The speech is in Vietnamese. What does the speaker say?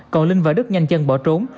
còn linh và đức nhanh chân bỏ trốn